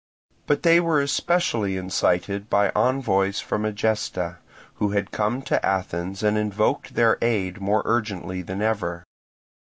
But they were especially incited by envoys from Egesta, who had come to Athens and invoked their aid more urgently than ever.